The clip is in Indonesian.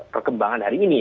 perkembangan hari ini